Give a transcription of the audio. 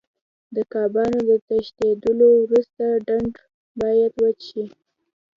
د کبانو د تښتېدلو وروسته ډنډ باید وچ شي.